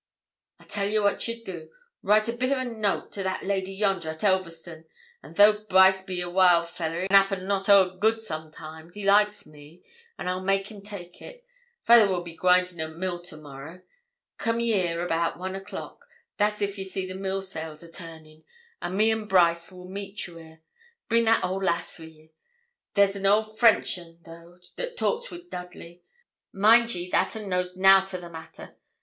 'I tell ye what ye'll do. Write a bit o' a note to the lady yonder at Elverston; an' though Brice be a wild fellah, and 'appen not ower good sometimes, he likes me, an' I'll make him take it. Fayther will be grindin' at mill to morrow. Coom ye here about one o'clock that's if ye see the mill sails a turnin' and me and Brice will meet ye here. Bring that old lass wi' ye. There's an old French un, though, that talks wi' Dudley. Mind ye, that un knows nout o' the matter.